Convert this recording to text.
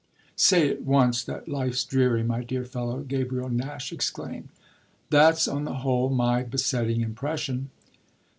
"Say at once that life's dreary, my dear fellow!" Gabriel Nash exclaimed. "That's on the whole my besetting impression."